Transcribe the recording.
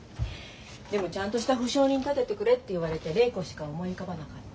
でもちゃんとした保証人立ててくれって言われて礼子しか思い浮かばなかった。